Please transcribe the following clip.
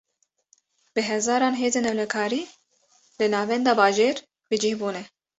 Bi hezaran hêzên ewlekarî, li navenda bajêr bi cih bûne